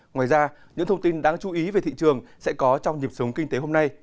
ngoài ra những thông tin đáng chú ý về thị trường sẽ có trong nhịp sống kinh tế hôm nay